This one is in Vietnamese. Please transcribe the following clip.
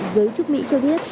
giới chức mỹ cho biết